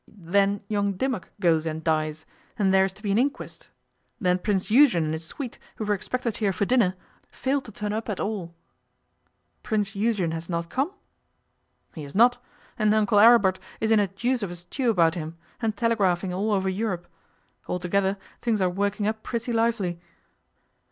Then young Dimmock goes and dies, and there is to be an inquest; then Prince Eugen and his suite, who were expected here for dinner, fail to turn up at all ' 'Prince Eugen has not come?' 'He has not; and Uncle Aribert is in a deuce of a stew about him, and telegraphing all over Europe. Altogether, things are working up pretty lively.